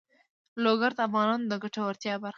لوگر د افغانانو د ګټورتیا برخه ده.